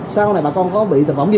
sau này bà con có bị tịch bỏng gì